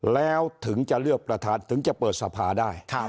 แล้วถึงจะเลือกประธานถึงจะเปิดสภาได้